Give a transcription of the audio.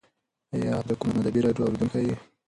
ایا ته د کوم ادبي راډیو اورېدونکی یې؟